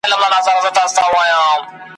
که خوله وازه کړمه مځکي ته رالوېږم `